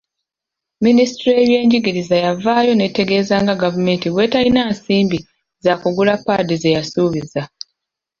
Minisitule y'ebyenjigiriza yavaayo n'etegeeza nga gavumenti bwe etalina nsimbi zaakugula paadi zeyasubiza.